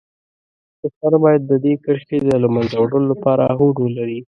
پښتانه باید د دې کرښې د له منځه وړلو لپاره هوډ ولري.